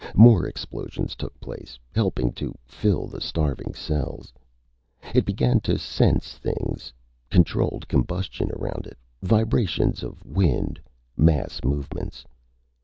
More explosions took place, helping to fill the starving cells. It began to sense things controlled combustion around it, vibrations of wind, mass movements.